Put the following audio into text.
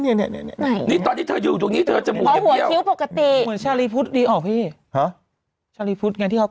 เดี๋ยวให้อีต้นสักไอต้นตาม